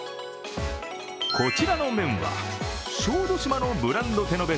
こちらの麺は、小豆島のブランド手延べ